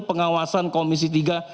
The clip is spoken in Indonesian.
pengawasan komisi tiga